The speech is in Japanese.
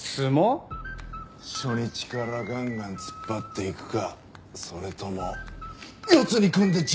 初日からガンガン突っ張っていくかそれとも四つに組んでじっくり攻めていくか。